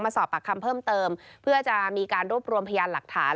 สอบปากคำเพิ่มเติมเพื่อจะมีการรวบรวมพยานหลักฐาน